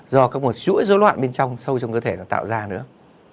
do các chuỗi gió loạn bên trong sâu trong cơ thể đó tạo ra nữa